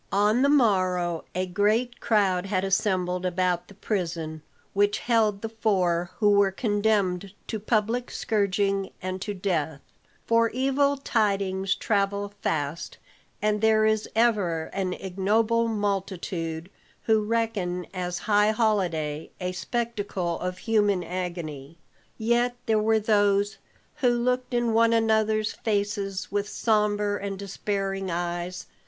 On the morrow a great crowd had assembled about the prison which held the four who were condemned to public scourging and to death; for evil tidings travel fast, and there is ever an ignoble multitude who reckon as high holiday a spectacle of human agony. Yet there were those who looked in one another's faces with sombre and despairing eyes.